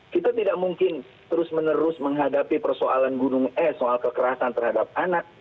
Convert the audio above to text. kita tidak mungkin terus menerus menghadapi persoalan gunung es soal kekerasan terhadap anak